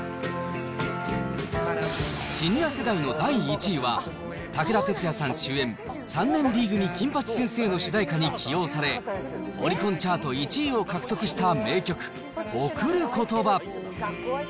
シニア世代の第１位は、武田鉄矢さん主演、３年Ｂ組金八先生の主題歌に起用され、オリコンチャート１位を獲得した名曲、贈る言葉。